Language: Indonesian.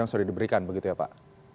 yang sudah diberikan begitu ya pak